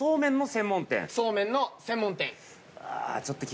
そうめんの専門店。